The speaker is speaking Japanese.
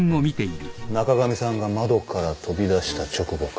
中上さんが窓から飛び出した直後から。